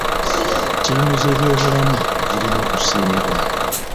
Ttiimu z'ebyobulamu zirina okusiimibwa.